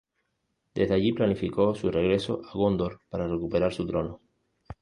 Desde allí planificó su regreso a Gondor para recuperar su trono.